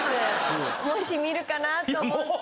もし見るかなと思って・